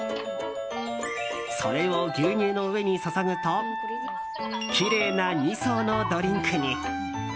それを牛乳の上に注ぐときれいな２層のドリンクに。